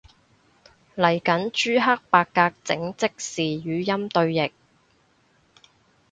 嚟緊朱克伯格整即時語音對譯